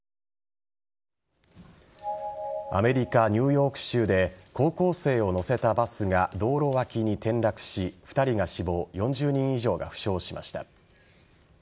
アメリカ・ニューヨーク州で高校生を乗せたバスが道路脇に転落し２人が死亡４０人以上が負傷しました。